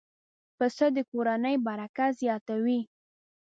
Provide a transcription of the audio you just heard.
پسه د کورنۍ برکت زیاتوي.